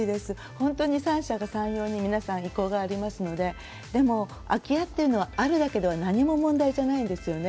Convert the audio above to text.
本当に三者三様に皆さん、意向がありますので空き家っていうのはあるだけでは何も問題ではないんですよね。